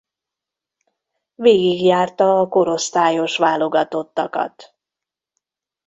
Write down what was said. Végig járta a korosztályos válogatottakat.